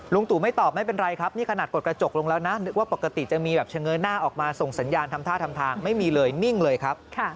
ตู่ไม่ตอบไม่เป็นไรครับนี่ขนาดกดกระจกลงแล้วนะนึกว่าปกติจะมีแบบเฉงยหน้าออกมาส่งสัญญาณทำท่าทำทางไม่มีเลยนิ่งเลยครับ